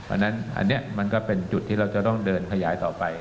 อันนั้นอันนี้มันก็เป็นจุดที่เราจะต้องเดินขยายต่อไป